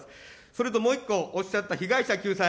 それともう一個、おっしゃった被害者救済。